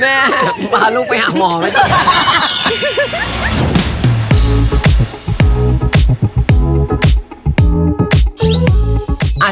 แม่มาเอาลูกไปหาหมอไหม